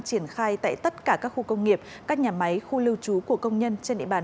triển khai tại tất cả các khu công nghiệp các nhà máy khu lưu trú của công nhân trên địa bàn